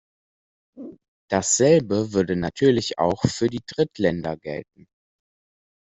Dasselbe würde natürlich auch für die Drittländer gelten.